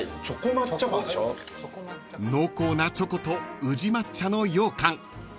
［濃厚なチョコと宇治抹茶のようかん］